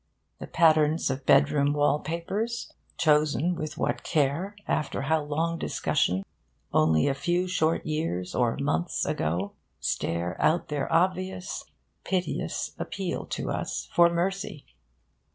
The patterns of bedroom wall papers, (chosen with what care, after how long discussion! only a few short years or months ago) stare out their obvious, piteous appeal to us for mercy.